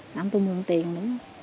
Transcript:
làm tôi mua tiền nữa